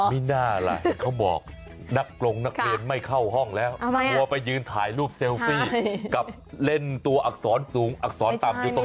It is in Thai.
ไม่น่าล่ะเขาบอกนักกลงนักเรียนไม่เข้าห้องแล้วมัวไปยืนถ่ายรูปเซลฟี่กับเล่นตัวอักษรสูงอักษรต่ำอยู่ตรง